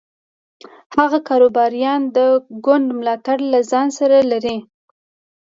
هغه کاروباریان د ګوند ملاتړ له ځان سره لري.